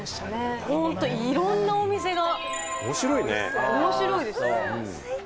本当、いろんなお店が面白いですね。